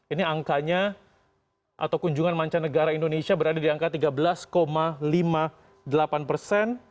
ini angkanya atau kunjungan mancanegara indonesia berada di angka tiga belas lima puluh delapan persen